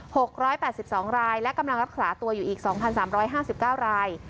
หกร้อยแปดสิบสองรายและกำลังรักษาตัวอยู่อีกสองพันสามร้อยห้าสิบเก้าราย